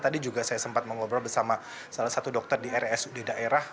tadi juga saya sempat mengobrol bersama salah satu dokter di rsud daerah